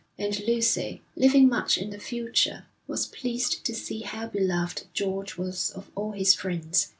And Lucy, living much in the future, was pleased to see how beloved George was of all his friends.